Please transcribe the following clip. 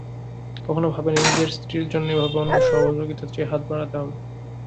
কখনো ভাবিনি নিজের স্ত্রীর জন্য এভাবে অন্যের সহযোগিতা চেয়ে হাত বাড়াতে হবে।